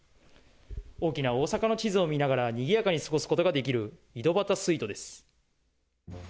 大きな大阪の地図を見ながら、にぎやかに過ごすことができる、いどばたスイートです。